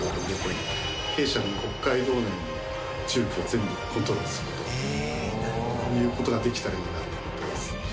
弊社の北海道内の重機を全部コントロールするという事ができたらいいなと思っています。